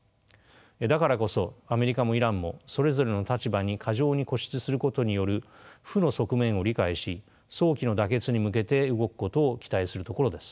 だからこそアメリカもイランもそれぞれの立場に過剰に固執することによる負の側面を理解し早期の妥結に向けて動くことを期待するところです。